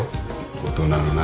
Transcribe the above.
大人のな。